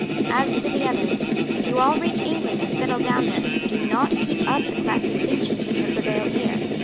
"As to the others, if you all reach England and settle down there do not keep up the class distinctions which have prevailed here.